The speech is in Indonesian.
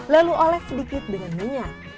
lalu oles sedikit dengan minyak